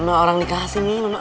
emang orang dikasih minum haus